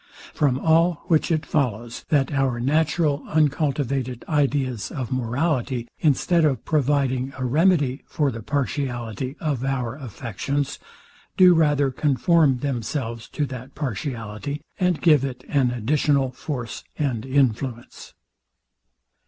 From all which it follows, that our natural uncultivated ideas of morality, instead of providing a remedy for the partiality of our affections, do rather conform themselves to that partiality, and give it an additional force and influence.